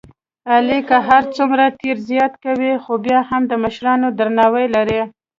علی که هرڅومره تېره زیاته کوي، خوبیا هم د مشرانو درناوی لري.